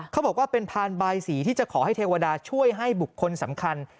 เขาบอกว่าเป็นพานบายสีที่จะขอให้เทวดาช่วยให้บุคคลสำคัญ